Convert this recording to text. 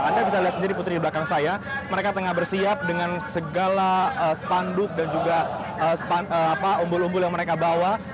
anda bisa lihat sendiri putri di belakang saya mereka tengah bersiap dengan segala spanduk dan juga umbul umbul yang mereka bawa